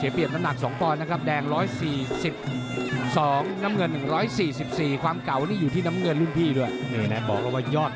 พี่ได้เก่ายกที่หนึ่ง